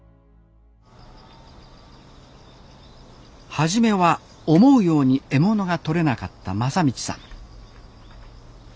初めは思うように獲物がとれなかった正道さん。